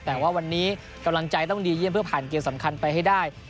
แต่ว่าวันนี้กำลังใจต้องดีเยี่ยมเพื่อผ่านเกมสำคัญไปให้ได้